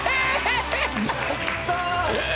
やった！